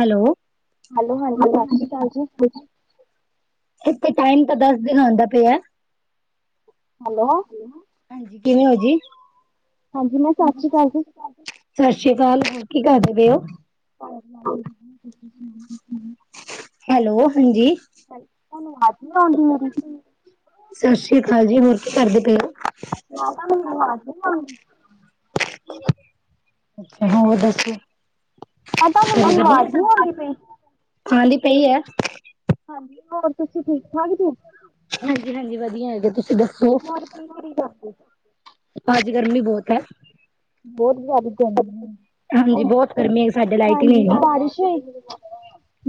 Hello hello ਹਾਂਜੀ ਸਤਿ ਸ਼੍ਰੀ ਅਕਾਲ ਜੀ ਇਥੇ ਟਾਈਮ ਤਾਂ ਦੱਸ ਦਿਨ ਪਿਆ ਹੈਲੋ ਹਾਂਜੀ ਕਿਵੇਂ ਹੋ ਜੀ ਹਾਂਜੀ ਮੈਂ ਸਤਿ ਸ਼੍ਰੀ ਅਕਾਲ ਜੀ ਸਤਿ ਸ੍ਰੀ ਅਕਾਲ ਹੋਰ ਕੀ ਕਰਦੇ ਪਏ ਹੋ [unintelligible] ਤੁਸੀਂ ਸੁਣਾਓ ਹੈਲੋ ਹਾਂਜੀ ਭਾਜੀ ਤੁਹਾਨੂੰ ਐਕਟੀਵਾ ਆਉਂਦੀ ਸਤਿ ਸ੍ਰੀ ਅਕਾਲ ਜੀ, ਹੋਰ ਕੀ ਕਰਦੇ ਪਏ। ਹੋ [unintelligible] ਅੱਛਾ, ਹੋਰ ਓਕੇ ਐਂ ਤੁਹਾਨੂੰ ਮੇਰੀ ਆਵਾਜ਼ ਨਹੀਂ! ਆਉਂਦੀ ਪਈ ਖਾਲੀ ਪਈ ਹੈ। ਹਾਂਜੀ, ਹੋਰ ਤੁਸੀਂ ਠੀਕ -ਠਾਕ ਜੇ ਹਾਂਜੀ, ਹਾਂਜੀ ਵਧੀਆ ਹੈਗੇ ਤੁਸੀਂ ਦੱਸੋ- ਹੋਰ ਕੀ ਕਰੀ ਜਾਂਦੇ, ਅੱਜ ਗਰਮੀ ਬਹੁਤ ਹੈ ਬਹੁਤ ਜ਼ਿਆਦਾ ਗਰਮੀ, ਹਾਂਜੀ ਬਹੁਤ ਗਰਮੀ ਹੈ ਸਾਡੇ ਲਾਈਟ ਹੀ ਹਾਂਜੀ ਨਹੀਂ ਹੈਗੀ ਬਾਰਿਸ਼ ਹੋਈ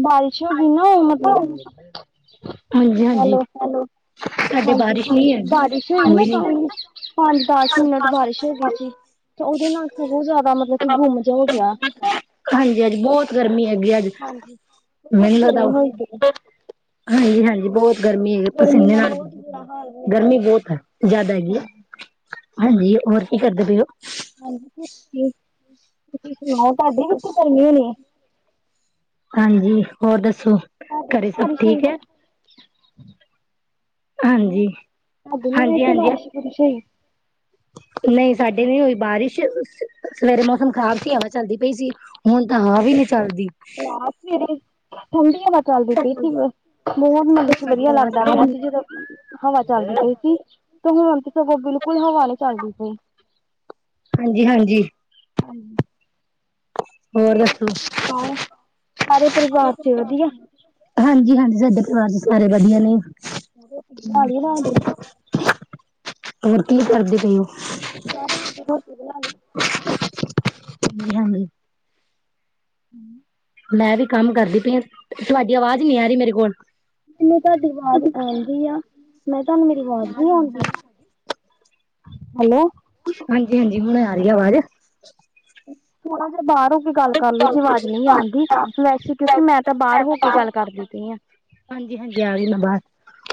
ਬਾਰਿਸ਼ ਹੋ ਗਈ ਨਾ ਮਤਲਬ ਹਾਂਜੀ, ਹਾਂਜੀ ਹੈਲੋ ਸਾਡੇ ਹਾਂਜੀ ਬਾਰਿਸ਼ ਨੀ ਹੋਈ, ਹੈਗੀ ਬਾਰਿਸ਼ ਹੋਈ ਨਾ ਨਹੀਂ ਕੱਲ ਹਾਂਜੀ, ਪੰਜ ਦਸ ਅੱਜ ਮਿੰਟ ਬਾਰਿਸ਼ ਹੋ ਗਈ ਸੀ ਤੇ ਉਹਦੇ ਨਾਲ ਸਗੋਂ ਜ਼ਿਆਦਾ ਮਤਲਬ ਕਿ ਗੁੰਮ ਜਿਹਾ ਹੋ ਗਿਆ ਬਹੁਤ ਗਰਮੀ ਹੈਗੀ ਅੱਜ ਹਾਂਜੀ ਬਹੁਤ ਮੈਨੂੰ ਲਗਦਾ ਗਰਮੀ ਹੋਈ ਪਈ ਵੀ ਹੈ, ਬਹੁਤ ਹਾਂਜੀ ਗਰਮੀ ਹੈਗੀ ਗਰਮੀ ਪਸੀਨੇ ਨਾਲ, ਬਹੁਤ ਬੁਰਾ ਹਾਲ ਹੋਇਆ ਗਰਮੀ ਪਿਆ ਬਹੁਤ ਜਿਆਦਾ ਹੈਗੀ ਆ। ਹਾਂਜੀ ਹਾਂਜੀ ਹੋਰ, ਕੀ ਕਰਦੇ ਪਏ ਹੋ ਹਾਂਜੀ ਤੁਸੀਂ ਸੁਣਾਓ ਤੁਹਾਡੇ ਵੀ ਇਥੇ ਗਰਮੀ ਹੋ ਨੇ, ਹਾਂਜੀ ਹੋਰ ਦੱਸੋ, ਤੁਹਾਡੇ ਵੀ ਘਰੇ ਸਭ ਬਾਰਿਸ਼ ਹੋਈ ਠੀਕ ਹੈ- ਹਾਂਜੀ ਤੁਹਾਡੇ ਨੀ ਹਾਂਜੀ ਹਾਂਜੀ ਬਾਰਿਸ਼ ਬੁਰਸ਼ ਹੋਈ ਨਹੀਂ ਸਾਡੇ ਨਹੀਂ ਹੋਈ ਬਾਰਿਸ਼, ਸਵੇਰੇ ਮੌਸਮ ਖ਼ਰਾਬ ਸੀ ਹਵਾ ਚੱਲਦੀ ਪਈ ਸੀ। ਹੁਣ ਤਾਂ ਹਵਾ ਅੱਛਾ ਵੀ ਨੀ ਚੱਲਦੀ, ਆ ਸਵੇਰੇ ਠੰਡੀ ਹਵਾ ਚੱਲਦੀ ਪਈ ਸੀ, ਮੋਸਮ ਸਾਡੀ ਵਧੀਆ ਆਵਾਜ਼ ਲੱਗਦਾ ਪਿਆ ਸਾਫ਼ ਨੀ ਸੀ ਜਦੋਂ ਹਵਾ ਚੱਲਦੀ ਪਈ ਸੀ ਤੇ ਹੁਣ ਤੇ ਸਗੋਂ ਬਿਲਕੁਲ ਹਵਾ ਨੀ ਚੱਲਦੀ ਪਈ, ਹਾਂਜੀ ਹਾਂਜੀ ਹਾਂਜੀ [inaudible] ਹੋਰ, ਤੁਸੀਂ ਸੁਣਾਓ ਪਰਿਵਾਰ ਚ ਵਧੀਆ ਹਾਂਜੀ, ਹਾਂਜੀ ਸਾਡੇ ਪਰਿਵਾਰ ਚੋ, ਸਾਰੇ ਵਧੀਆ ਨੇ ਰੋਟੀ ਬਣਾ ਲਈ ਰਾਤ ਦੀ ਹੋਰ ਕੀ ਕਰਦੇ ਪਏ ਹੋ ਮੈਂ ਰਾਤ ਦੀ ਰੋਟੀ ਬਣਾ ਲਈ। ਹਾਂਜੀ। ਹਮ। ਮੈਂ ਵੀ ਕੰਮ ਕਰਦੀ ਪਈ ਆ, ਤੁਹਾਡੀ ਆਵਾਜ਼ ਨਹੀਂ ਆ ਰਹੀ ਮੇਰੇ ਕੋਲ। ਮੈਨੂੰ ਤੁਹਾਡੀ ਆਵਾਜ਼ ਆਂਦੀ ਆ, ਮੈਂ ਤੁਹਾਨੂੰ ਮੇਰੀ ਆਵਾਜ਼ ਨਹੀਂ ਆਉਂਦੀ? ਹੈਲੋ! ਹਾਂਜੀ, ਹਾਂਜੀ, ਹੁਣ ਆ ਰਹੀ ਆ ਆਵਾਜ਼। ਥੋੜਾ ਜਿਹਾ ਬਾਹਰ ਹੋ ਕੇ ਗੱਲ ਕਰਲੋ, ਜੇ ਆਵਾਜ਼ ਨਹੀਂ ਆਉਂਦੀ ਵੈਸੇ, ਕਿਉਂਕਿ ਮੈਂ ਤਾਂ ਬਾਹਰ ਹੋ ਕੇ ਗੱਲ ਕਰਦੀ ਪਈ ਆ। ਹਾਂਜੀ, ਹਾਂਜੀ ਆ ਗਈ ਮੈਂ ਬਾਹਰ,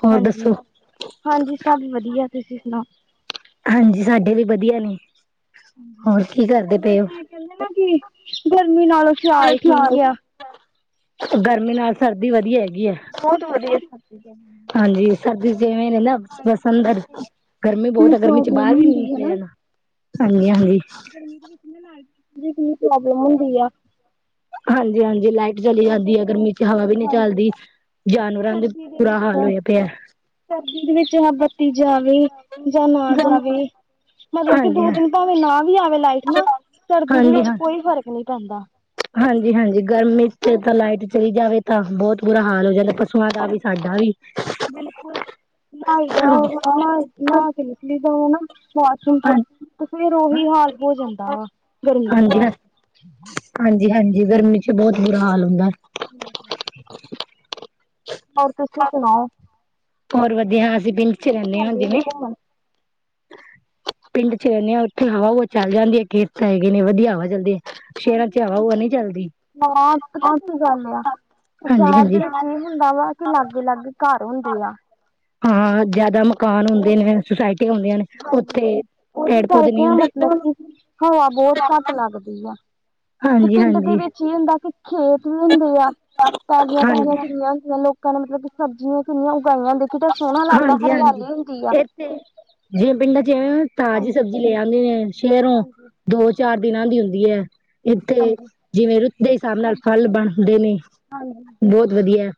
ਹੋਰ ਹਾਂਜੀ ਦੱਸੋ ਹਾਂਜੀ, ਸਭ ਵਧੀਆ ਤੁਸੀਂ ਸੁਣਾਓ ਹਾਂਜੀ ਸਾਡੇ ਵੀ ਵਧੀਆ ਨੇ, ਹੋਰ ਕੀ ਕਰਦੇ ਪਏ ਹੋ ਕਹਿੰਦੇ ਨਾ, ਕਿ ਗਰਮੀ ਨਾਲੋਂ ਸਿਆਲ ਠੀਕ ਆ ਗਰਮੀ ਨਾਲ ਸਰਦੀ ਵਧੀਆ ਹੈਗੀ ਹੈ। ਬਹੁਤ ਵਧੀਆ ਸਭ ਚੀਜ਼ਾਂ। ਹਾਂਜੀ, ਸਰਦੀ ਜਿਵੇਂ ਨਾ ਬਸ ਅੰਦਰ ਗਰਮੀ ਕਿੰਨੀ ਬਹੁਤ ਆ ਗਰਮੀ ਚੋ, ਪ੍ਰੋਬਲਮ ਬਾਹਰ ਵੀ ਨੀ ਹੁੰਦੀ ਨਿਕਲੇ ਜਾਣਾ ਹਾਂਜੀ। ਹਾਂਜੀ ਗਰਮੀ ਦੇ ਵਿੱਚ ਲਾਈਟ ਦੀ ਪ੍ਰੋਬਲਮ ਹੁੰਦੀ ਆ। ਹਾਂਜੀ -ਹਾਂਜੀ, ਲਾਈਟ- ਚਲੀ ਜਾਂਦੀ ਹੈ ਗਰਮੀ ਚੋ, ਹਵਾ ਵੀ ਨਹੀਂ ਹਾਂਜੀ ਚੱਲਦੀ ਜਾਨਵਰਾਂ ਦਾ ਬੁਰਾ ਹਾਲ ਹੋਇਆ ਪਿਆ ਸਰਦੀ ਦੇ ਵਿੱਚ ਬੱਤੀ ਜਾਵੇ ਜਾਂ ਨਾ ਜਾਵੇ ਮਤਲਬ ਕਿ, ਹਾਂਜੀ ਦੋ ਹਾਂ, ਦਿਨ ਭਾਵੇਂ ਨਾ ਵੀ ਆਵੇ ਲਾਈਟ ਨਾ, ਸਰਦੀ ਦੇ ਵਿੱਚ ਕੋਈ ਫ਼ਰਕ ਨਹੀਂ ਪੈਂਦਾ। ਹਾਂਜੀ, ਹਾਂਜੀ! ਗਰਮੀ ‍'ਚ ਤਾਂ ਲਾਈਟ ਚਲੀ ਜਾਵੇ, ਤਾਂ ਬਹੁਤ ਬੁਰਾ ਹਾਲ ਹੋ ਜਾਂਦਾ। ਤੁਹਾਡਾ ਵੀ, ਸਾਡਾ ਵੀ। ਬਾਹਰ ਨਿਕਲ ਵੀ ਜਾਓ, ਨਾ ਵਾਸ਼ਰੂਮ 'ਚੋਂ, ਹਾਂਜੀ-ਹਾਂਜੀ ਤੇ ਫੇਰ ਉਹੀ ਹਾਲ ਹੋ ਜਾਂਦਾ ਵਾ ਗਰਮੀ ਦੇ ਨਾਲ। ਹਾਂਜੀ, ਹਾਂਜੀ, ਗਰਮੀ 'ਚ ਬਹੁਤ ਬੁਰਾ ਹਾਲ ਹੁੰਦਾ। [unintelligible] ਹੋਰ ਤੁਸੀਂ ਸੁਣਾਓ? ਹੋਰ ਵਧੀਆ, ਅਸੀਂ ਤੁਸੀਂ ਪਿੰਡ ਕਿੱਥੇ ਚ ਕਿੱਥੇ ਰਹਿਣੇ ਹਾਂ ਜਾਂਦੇ ਹੁੰਦੇ ਜਿਵੇਂ ਘੁੰਮਣ? ਪਿੰਡ ਚ ਰਹਿਣੇ ਆਂ ਉੱਥੇ ਹਵਾ ਬੋਹਤ ਚੱਲ ਜਾਂਦੀ ਹੈ, ਖੇਤ ਤਾਂ ਹੈਗੇ ਨੇ, ਵਧੀਆ ਹਵਾ ਚੱਲਦੀ ਹੈ। ਸ਼ਹਿਰਾਂ ਚ ਹਾਂਜੀ ਹਵਾ ਹੁਵਾ ਨੀ [unintelligible] ਚੱਲਦੀ ਹਾਂ‌ ਪਤਾ ਕੀ ਗੱਲ ਏ ਆ? ਸ਼ੇਹਰ ਹਾਂਜੀ-ਹਾਂਜੀ। ਦੇ ਵਿੱਚ ਵੀ ਹੁੰਦਾ ਵਾ, ਕਿ ਲਾਗੇ-ਲਾਗੇ ਘਾਰ ਹੁੰਦੇ ਆ। ਹਾਂ, ਜਾਦਾ ਮਕਾਨ ਉਹ ਹੁੰਦੇ ਨੇ, ਸੁਸਾਇਟੀਆਂ ਹੁੰਦੀਆਂ ਨੇ। ਹਾਂਜੀ, ਉੱਥੇ ਉਹਦੇ ਪੇੜ ਪੌਦੇ ਕਰਕੇ ਨਹੀਂ ਨਾ ਹੁੰਦੇ ਮਤਲਬ ਕੀ ਹਵਾ ਬੌਤ ਘਾਟ ਲੱਗਦੀ ਆ। ਪਿੰਡ ਹਾਂਜੀ-ਹਾਂਜੀ, ਦੇ ਵਿੱਚ ਇਹ ਹੁੰਦਾ ਕਿ ਖੇਤ ਵੀ ਹੁੰਦੇ ਆ। ਹਾਂਜੀ, ਪੈਲੀਆਂ-ਪੂਲੀਆ ਮਤਲਬ ਕਿ ਸਬਜ਼ੀਆਂ ਕਿੰਨੀਆਂ ਉਗਾਈਆਂ ਦੇਖੀ ਦਾ ਸੋਹਣਾ ਲੱਗਦਾ। ਹਾਂਜੀ-ਹਾਂਜੀ। ਹਰਿਆਲੀ ਹੁੰਦੀ ਆ। ਇੱਥੇ ਪਿੰਡਾਂ ਚ ਅਐਵੇਂ ਤਾਜ਼ੀ ਹਾਂਜੀ ਸਬਜ਼ੀ ਲੈ ਆਂਦੇ ਨੇ। ਸ਼ਹਿਰੋ ਹਾਂਜੀ ਦੋ ਚਾਰ ਦਿਨਾਂ ਦੀ ਹੁੰਦੀ ਹੈ, ਇੱਥੇ ਹਾਂਜੀ ਜਿਵੇਂ ਰੁੱਤ ਦੇ ਹਿਸਾਬ ਨਾਲ ਫਲ ਬਣਦੇ ਨੇ ਹਾਂਜੀ ਬਹੁਤ ਵਧੀਆ,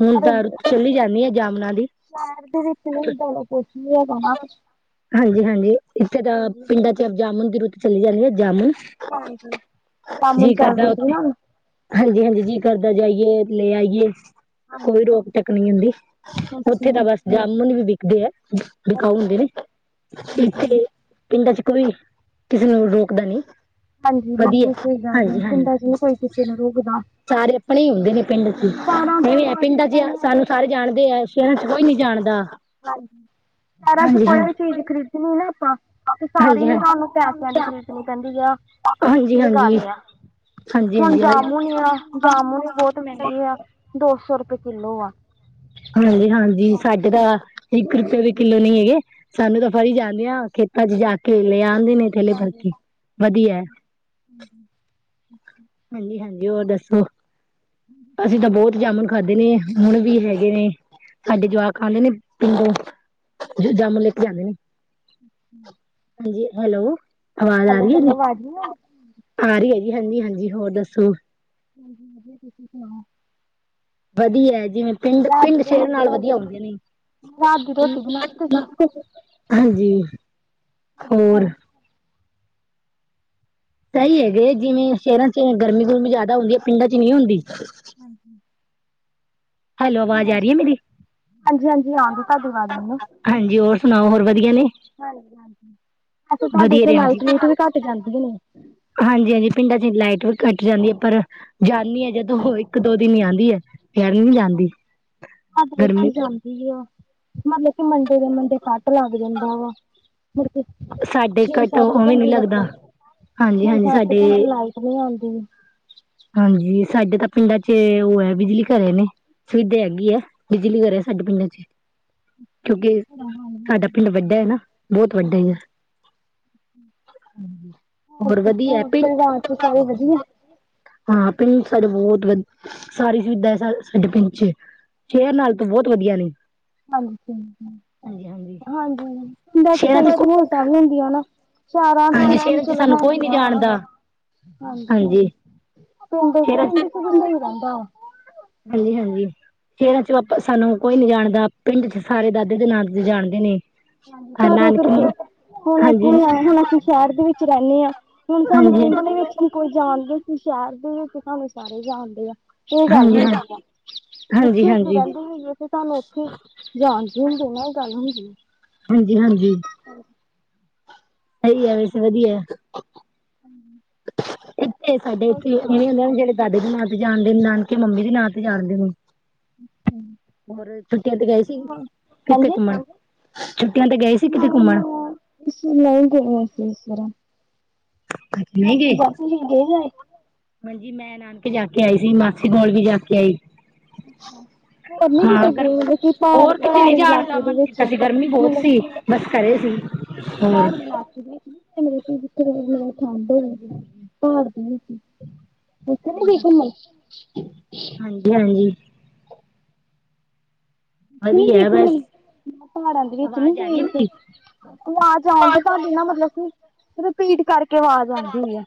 ਹੁਣ ਪਰ ਤਾਂ ਰੁੱਤ ਚੱਲੀ ਜਾਂਦੀ ਆ ਜਾਮਨਾਂ ਦੀ [unintelligible] [inaudible] [unintelligible] ਹਾਂਜੀ-ਹਾਂਜੀ, ਇੱਥੇ ਤਾਂ ਹਾਂਜੀ ਪਿੰਡਾਂ ਚ ਜਾਮੁਨ ਦੀ ਰੁੱਤ ਚਲੀ ਜਾਂਦੀ ਹੈ। ਜਾਮੁਨ ਹਾਂਜੀ, ਜਾਮੁਨ ਚੱਲਦੇ। ਹਾਂਜੀ-ਹਾਂਜੀ, ਜੀ ਕਰਦਾ ਜਾਈਏ, ਲੇ ਆਈਏ ਕੋਈ ਹਾਂਜੀ ਰੋਕ ਟੋਕ ਨਹੀਂ ਹੁੰਦੀ, ਅੱਛਾ ਉੱਥੇ ਤਾਂ ਬਸ ਜਾਮੁਨ ਵੀ ਵਿਕਦੇ ਐ। ਵਿਕਾਊ [inaudible] ਅੱਛਾ ਹਾਂਜੀ ਪਿੰਡਾਂ ਚ ਕੋਈ ਕਿਸੇ ਨੂੰ ਰੋਕਦਾ ਨੀ ਹਾਂਜੀ, ਬਿਲਕੁਲ ਸਹੀ ਗੱਲ ਐ, ਪਿਡਾਂ 'ਚ ਨੀ ਕੋਈ ਕਿਸੇ ਨੁੰ ਰੋਕਦਾ। ਸਾਰੇ ਆਪਣੇ ਈ ਹੁੰਦੇ ਨੇ। ਪਿੰਡ ਚ ਪਿੰਡਾਂ ਸਾਰੇ ਜਾਣਦੇ ਐ, ਸਹਿਰਾ ਚ ਕੋਈ ਨੀ ਜਾਣਦਾ [inaudible] [inaudible] ਸਹਿਰਾ ਚ ਹਾਂਜੀ ਕੋਈ ਹਾਂ ਵੀ ਚੀਜ਼ ਖਰੀਦਨੀ ਨਾ ਆਪਾ ਤੇ ਸਾਰੀ ਹਾਂਜੀ ਹੀ ਸਾਨੂੰ ਪੈਸਿਆਂ ਦੀ ਹਾਂ ਖਰੀਦ ਓਹ ਕੈਂਦੀ ਆ। ਹਾਂਜੀ ਇਹ ਹਾਂਜੀ ਗੱਲ ਆ, ਹਾਂਜੀ ਹੁਣ ਹਾਂਜੀ ਹਾਂਜੀ ਜਾਮੁਨ ਆ ਜਾਮੁਨ ਬਹੋਤ ਮਹਿੰਗੇ ਆ। ਦੋ ਸੌ ਰੁਪਏ ਕਿੱਲੋ ਆ। ਹਾਂਜੀ-ਹਾਂਜੀ ਸਾਡੇ ਤਾਂ, ਇੱਕ ਰੁਪਏ ਵੀ ਕਿੱਲੋ ਨੀ ਹੈਗੇ। ਸਾਨੂੰ ਤਾਂ ਫਲੀ ਜਾਂਦੇ ਆਂ, ਖੇਤਾਂ ਚ ਜਾ ਕੇ ਲੈ ਆਂਦੇ ਨੇ ਥੈਲੇ ਭਰ ਕੇ, ਵਦੀਆ ਏ। [unintelligible] ਹਾਂਜੀ-ਹਾਂਜੀ ਹੋਰ ਦੱਸੋ, ਅਸੀਂ ਤਾਂ ਬੋਤ ਜਾਮੁਨ ਖਾਧੇ ਨੇ। ਹੁਣ ਵੀ ਹੈਗੇ ਨੇ, ਸਾਡੇ ਜਵਾਕ ਖਾਂਦੇ ਨੇ ਪਿੰਡੋ। ਜਾਮੁਨ ਲੈਕੇ ਜਾਂਦੇ ਨੇ। ਹਾਂਜੀ, ਹੈਲੋ ਆਵਾਜ਼ ਆ ਹੈਲੋ ਰਹੀ ਐ, ਜੀ ਹੈਲੋ ਆਵਾਜ਼ ਨੀ ਆ ਰਹੀ ਹੈ ਜੀ ਹਾਂਜੀ -ਹਾਂਜੀ ਹੋਰ ਦੱਸੋ? ਹਾਂਜੀ, ਵਧੀਆ ਤੁਸੀਂ ਸੁਨਾਓ? ਵਧੀਆ ਜਿਵੇਂ ਪਿੰਡ, ਪਿੰਡ ਸ਼ਹਿਰ ਨਾਲ ਬਣਾ ਦੀ, ਵਧੀਆ ਹੁੰਦੇ ਨੀ ਰਾਤ ਦੀ ਰੋਟੀ ਬਣਾ ਲਈ ਤੁਸੀਂ [inaudible] ਹਾਂਜੀ, ਹੋਰ? ਸਹੀ, ਹੈਗੇ ਜਿਵੇਂਸ਼ਹਿਰਾਂ 'ਚ ਗਰਮੀ ਗੁਰਮੀ ਜ਼ਿਆਦਾ ਹੁੰਦੀ ਹੈ। ਪਿੰਡਾਂ ਚ ਨਹੀਂ ਹੁੰਦੀ। ਹੈਲੋ-ਅਵਾਜ਼ ਆ ਰਹੀ ਆ ਮੇਰੀੰ ਹਾਂਜੀ ਹਾਂਜੀ ਆਉਂਦੀ ਤੁਹਾਡੀ ਆਵਾਜ਼ ਮੈਨੂੰ [inaudible] ਹਾਂਜੀ, ਹੋਰ ਸੁਨਾਓ? ਹੋਰ ਵਧੀਆ ਨੇ? ਹਾਂਜੀ, ਹਾਂਜੀ, ਅੱਛਾ ਤੁਹਾਡੇ ਵਧੀਆ ਇੱਥੇ ਲਾਈਟ ਲੂਟ ਵੀ ਘੱਟ ਜਾਂਦੀ ਹੋਨੀ ਹਾਂਜੀ-ਹਾਂਜੀ, ਪਿੰਡਾਂ ਚ ਲਾਈਟ ਵੀ ਕੱਟ ਜਾਂਦੀ ਹੈ ਪਰ, ਜਾਨੀ ਹੈ ਜਦੋਂ ਹੋਈ ਇੱਕ-ਦੋ ਦਿਨ ਆਉਂਦੀ ਹੈ, ਯਾਰਲੀ ਨਈ ਜਾਂਦੀ, ਗਰਮੀ ਚ। ਕੀ ਔ, ਮਤਲਬ ਕਿ ਮੰਡੇ ਦੇ ਮੰਡੇ ਕਟ ਲੱਗ ਜਾਂਦਾ ਵਾ। ਮੁੜ ਕੇ, ਸਾਡੇ ਘੱਟ ਛੇ-ਸੱਤ ਉਵੇਂ ਨੀ ਘੰਟੇ ਲੱਗਦਾ ਲੱਗਣ, ਹਾਂਜੀ ਨਈ ਹਾਂਜੀ ਸੱਤ ਸਾਡੇ ਘੰਟੇ ਲਾਏ। ਨੀ ਆਉਂਦੀ। ਹਾਂਜੀ ਸਾਡੇ ਤਾਂ ਪਿੰਡਾਂ ਚ ਉਹ ਵੇ ਬਿਜਲੀ ਘਰੇ ਨੇ। ਸੁਵਿਦ ਹੈਗੀ ਹੈ, ਬਿਜਲੀ ਘਰ ਸਾਡੇ ਪਿੰਡਾਂ ਚੇ। ਕਿਉਂਕਿ, ਸਾਡਾ ਪਿੰਡ ਵੱਡਾ ਏ ਨਾ, ਬਹੋਤ ਵੱਡਾ ਈ ਏ। ਹਾਂਜੀ, ਉਮਰ ਵੱਡੀ ਆਪਿੰਗ। ਤੁਸਾਂਦੇ, ਵਦੀਆ। ਹਾਂ ਆਪਣੀ ਸੱਚ ਬੋਹਤ ਰੇਣ, ਸਾਰੀ ਸੁਵਿਧਾ ਹੈ ਸਾਡੇ ਪਿੰਡ ਚ। ਸ਼ਹਿਰ ਨਾਲ ਤੋ ਬੋਹਤ ਵਧੀਆ ਨੇ। ਹਾਂਜੀ-ਹਾਂਜੀ, ਹਾਂਜੀ ਹਾਂਜੀ ਹਾਂਜੀ ਬਾਦ ਚ ਕੋਈ ਇਸ਼ੂ ਹੋ ਤਾਂ ਕਰ ਲੈਂਦੀ ਹਾਂ ਨਾ। ਸ਼ਾਰਾ ਦੇ ਹਾਂਜੀ ਵਿੱਚ ਚਿ ਸ਼ਹਿਰਾਂ ਚ ਚਲ ਸਾਨੂੰ ਕੋਈ ਨੀ ਹੈਗੀਆਂ ਵਾ, ਜਾਣਦਾ ਹਾਂਜੀ। ਪਿੰਡ, ਪਿੰਡ ਚ ਵੀ ਸਈ ਰੈਣ ਦਾ। ਹਾਂਜੀ-ਹਾਂਜੀ, ਫੇਰ ਆਛੁ ਵਾਪਸ ਸਾਨੂੰ। ਕੋਈ ਨਈ ਜਾਣਦਾ, ਪਿੰਡ ਚ ਸਾਰੇ ਦਾਦੇ ਦੇ ਨਾਂ ਤੇ ਜਾਣਦੇ ਨੇ। ਤਾਬਾ ਨਾਨਕੇ ਕਰਕੇ, ਹੁਣ ਹਾਂਜੀ ਇੱਕੋ ਆਏ ਹੁਣੇ। ਹੁਣ ਸ਼ੇਅਰ ਦੇ ਵਿੱਚ ਰੈਨੇ ਆ, ਹੁਣ ਤੁਆਨੂੰ ਹਾਂਜੀ ਹਾਂਜੀ ਪਿੰਡ ਦੇ ਵਿੱਚ ਵੀ। ਕੋਈ ਜਾਣਦੇ ਸੀ? ਸ਼ਹਿਰ ਦੇ ਵਿ ਤੁਸਾਨੂੰ ਸਾਰੇ ਜਾਣਦੇ ਆ। ਓਹ ਹਾਂ ਗੱਲ ਹੋਈ ਉਈ ਆ, ਹਾਂਜੀ ਜਿਥੇ ਅਸੀਂ ਹਾਂਜੀ ਰੈਂਦੇ ਰਈ ਏ। ਤੇ ਤੁਹਾਨੂੰ ਉੱਥੇ, ਜਾਣਦੇ ਹੁੰਦੇ ਨਾ ਇਹ ਗੱਲ ਹੁੰਦੀ। ਹਾਂਜੀ-ਹਾਂਜੀ। [inaudible] ਐਈ ਐਵੇਂ ਸੈ ਵਧੀਆ। ਇੱਥੇ ਸਾਡੇ ਇੱਥੇ ਐਵੇਂ ਹੁੰਦਾ ਜੈੜੇ ਦਾਦੀ ਦੇ ਨਾਂ ਤੇ ਜਾਣਦੇ ਨੇ, ਨਾਨਕੇ ਮੰਮੀ ਦੇ ਨਾਂ ਤੇ ਜਾਣਦੇ ਣੇ? ਓਰ ਛੁੱਟੀਆਂ ਤੇ ਗਏ ਸੀ, ਕਿੱਥੇ ਘੁੰਮਣ, ਛੁੱਟੀਆਂ ਤੇ ਗਏ ਸੀ ਕਿਤੇ ਮ-ਮ, ਘੁੰਮਣ ਇਸਨੂੰ ਲਾਈਨ ਕਹੋ ਇਸ ਤਰ੍ਹਾਂ। ਨਹੀਂ ਬਸ ਗਏ ਜਪੂ ਜੀ ਡੀਗ ਆਏ। ਹਾਂਜੀ, ਮੈਂ ਨਾਨਕੇ ਜਾ ਕੇ ਆਈ ਸੀ ਮਾਸੀ ਕੋਲ ਵੀ ਜਾ ਕੇ ਆਈ। ਹੋਰ ਨੀ ਹਾਂ ਕਿਤੇ ਅਗਰ, ਗਏ ਮਤਲਬ ਕਿ ਔਰ ਪਹਾੜੀ ਕੁਛ ਣੀ ਪਹਾੜੀ ਜਾਨਦਾ ਇਲਾਕੇ ਮਣ ਦੇ ਵਿੱਚ ਕੀਤਾ ਸੀਗਾ ਗਰਮੀ ਬੋਹਤ ਮਤਲਬ ਸੀ। ਬਸ ਘਰੇ ਸੀ। ਹੋਰ ਪਹਾੜੀ ਇਲਾਕੇ ਦੇ ਵੀ, [unintelligible] ਸੌਂਦੇ। ਪਾਹੜ ਤੇ ਨਈ ਸੀ, ਓਥੇ ਨਈ ਹੋਰ ਗਈ ਘੁੰਮਣ। ਰਿਅਲੀ। ਨੀ ਵਧੀਆ ਠੀਕ ਬਸ ਨੇ, ਪਹਾੜਾਂ ਦੇ ਵਿੱਚ ਨਈ ਆਵਾਜ਼ ਆ ਗਏ ਰਹੀ ਹੈ ਇੰਧਰ। ਮੇਰੀ ਆਵਾਜ਼ ਆਉਂਦੀ ਤੁਹਾਡੀ ਨਾ ਮਤਲਬ ਕਿ, ਰਿਪੀਟ ਕਰਕੇ ਆਵਾਜ਼ ਆਉਂਦੀ ਏ।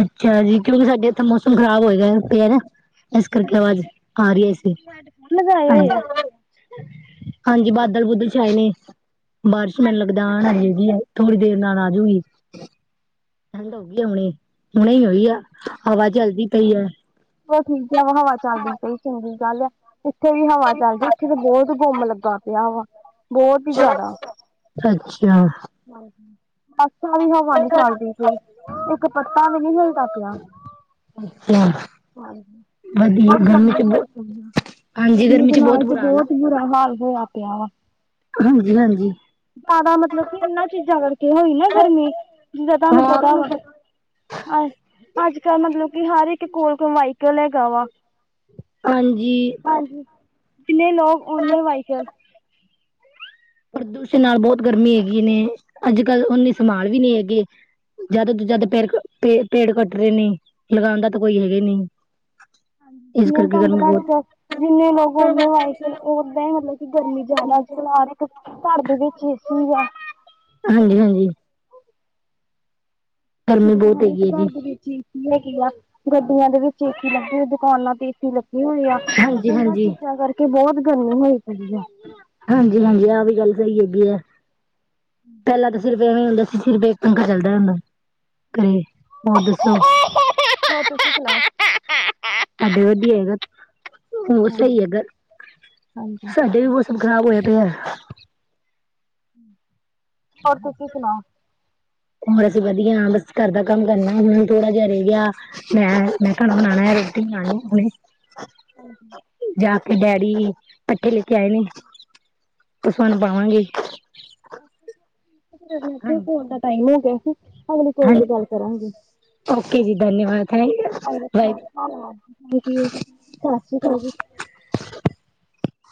ਅੱਛਾ ਜੀ, ਕਯੋਂਕਿ ਸਾਡੇ ਤਾ ਮੋਸਮ ਖ਼ਰਾਬ ਹੋਏਗਾ [unintelligible] ਏਸ ਕਰਕੇ ਆਵਾਜ਼ ਆਰੀ ਏਸੀ ਲਗਾਏ ਹੋਏ ਆ। [unintelligible] ਹਾਂਜੀ, ਬਾਦਲ ਬੁਦਲ ਛਾਏ ਨੇ ਬਾਰਿਸ਼ ਮੈਨ ਲੱਗਦਾ ਆਨ ਆਲੀ [unintelligible] ‌ ਥੋੜੀ ਦੇਰ ਨਾਲ ਆਜੂਗੀ। ਠੰਡ ਹੋਗੀਏ ਆ ਹੁਣੇ, ਹੁਣੇ ਈ ਹੋਈ ਆ, ਹਵਾ ਚਲਦੀ ਪਈ ਐ। [unintelligible] ਠੀਕ ਐ, ਹਵਾ ਚਾੱਲਦੀ ਪਈ ਚੰਗੀ ਗੱਲ ਐ। ਉੱਥੇ ਵੀ ਹਵਾ ਚਾੱਲਦੀ ਇੱਥੇ ਤਾ ਬੋਤ ਗੁੰਮ ਲੱਗਾ ਪੇਆ ਵਾ, ਬੋਤ ਈ ਜਾਦਾ। ਅੱਛਾ। ਹਾਂਜੀ, [unintelligible] ਹਵਾ ਨੀ ਚਾੱਲਦੀ ਪਈ, ਇੱਕ ਪੱਤਾ ਵੀ ਨੀ ਹਿਲਦਾ ਪੇਆ। [unintelligible] ਵਧੀਆ ਬੋਤ ਗਰਮੀ ਚ ਬਹੁ [unintelligible] ਹਾਂਜੀ ਗਰਮੀਆਂ ਗਰਮੀ ਦੇ ਚ ਬਹੁਤ ਨਾਲ ਤੇ ਬੁਰਾ ਹਾਲ ਹੈ ਬੋਤ ਬੁਰਾ ਹਾਲ ਹੋਯਾ ਪੇਆ ਵਾ ਹਾਂਜੀ, ਹਾਂਜੀ। ਜਾਦਾ ਮਤਲਬ ਕਿ ਇਨਾਂ ਚੀਜ਼ਾਂ ਕਾਰਕੇ ਹੋਈ ਨਾ ਗਰਮੀ, ਜਿੱਦਾਂ ਤਾਨੂੰ ਪਤਾ ਹਾਂ ਵਾ ਆੱਜ, ਆੱਜ-ਕਾੱਲ ਮਤਲਬ ਕਿ ਹਰ ਇੱਕ ਕੋਲ ਕੋਈ ਵਾਈਕਲ ਹੈਗਾ ਵਾ। ਹਾਂਜੀ। ਹਾਂਜੀ, ਜਿੰਨੇ ਲੋਕ ਓਨੇ ਵਾਈਕਲ ਪ੍ਰਦੂਸ਼ਨ ਨਾਲ ਬੋਤ ਗਰਮੀ ਹੈਗੀ ਨੇ, ਆੱਜ-ਕਾੱਲ ਓਨੇ ਸਮਾਲ ਵੀ ਨੀ ਹੈਗੇ। ਜਾਦਾ ਤੋ ਜਾਦਾ ਪੇੜ ਪੇ ਪੇੜ ਕੱਟ ਰੇ ਨੇ, ਲਗਾਨ ਦਾ ਤਾ ਕੋਈ ਹੈਗੇ ਨੀ। ਜਿਵੇਂ ਤਾਨੂੰ ਪਤਾ ਆੱਜ-ਕੱਲ ਜਿੰਨੇ ਲੋਕ ਓਨੇ ਵਾਈਕਲ ਓਦਾਂ ਈ ਮਤਲਬ ਕਿ ਗਰਮੀ ਜਾਦਾ ਆੱਜ-ਕੱਲ ਹਾਰ ਇੱਕ ਘਾੱਰ ਦੇ ਵਿੱਚ [unintelligible] ਆ। ਹਾਂਜੀ, ‌ ਹਾਂਜੀ। ਗਰਮੀ ਬੋਤ ਹੈਗੀ ਏ ਜੀ। ਲੱਗੀਆ ਗੱਡੀਆਂ ਦੇ ਵਿੱਚ ਏਸੀ ਲੱਗੇ ਦੁਕਾਨਾਂ ਤੇ ਏਸੀ ਲ ਹੋਏ ਆ, ਹਾਂਜੀ ਏਨਾਂ ਹਾਂਜੀ ਚੀਜ਼ਾਂ ਕਾਰਕੇ ਬੋਤ ਗਰਮੀ ਹੋਈ ਪਈ ਆ। ਹਾਂਜੀ, ਹਾਂਜੀ ਆ ਵੀ ਗੱਲ ਸਈ ਹੈਗੀ ਆ, ਪੈਲਾਂ ਤਾ ਸਿਰਫ਼ ਏਵੇਂ ਹੁੰਦਾ ਸ ਸਿਰਫ਼ ਏਕ ਪੰਗਾ ਚੱਲਦਾ ਹੁੰਦਾ, ਘਰੇ ਹੋਰ ਦੱਸੋ [inaudible] ਸਾਡੇ ਵਦੀਆ ਹੈਗਾ, ਹੋਰ ਸਈ ਹਾਂਜੀ ਹੈਗਾ। ਹਾਂਜੀ ਸਾਡੇ ਵੀ ਮੋਸਮ ਖ਼ਰਾਬ ਹੋਏ ਪੇਏ। ਹੋਰ ਤੁਸੀ‌‌ ਸੁਨਾਓ ਹੋਰ ਅਸੀ ਵਦੀਆ ਬਸ ਘਰ ਦਾ ਕਾੰਮ ਕਰਨਾ ਹੁਨ ਥੋੜਾ ਜਾ‌ ਰੇ ਗੇਆ। ਮੈਂ, ਮੈਂ ਘਰ ਬਨਾਵਾਂ, ਰੋਟੀ ਬਨਾਣੀ ਹੁਣੇ। ਜਾ ਕੇ ਡੈਡੀ, ਪੱਠੇ ਲੈਕੇ ਆਏ ਨੇ ਤੁਸਾਂ ਨੂੰ ਪਾਵਾਂਗੇ। [unintelligible] ਹਾਂਜੀ ਫੋਨ ਦਾ ਟਾਈਮ ਹੋਗੇਆ ਸੀ, ਅਗਲੀ ਕੋਲ ਹਾਂਜੀ ਤੇ ਗੱਲ ਕਰਾਂਗੇ। ਓਕੇ ਜੀ ਧੰਨਵਾਦ [unintelligible] ਵਾਹਿਗੁਰੂ [unintelligible] ਸਾਸ਼੍ਰੀ ਕਾਲ ਜੀ।